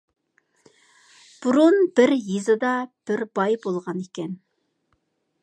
بۇرۇن بىر يېزىدا بىر باي بولغانىكەن.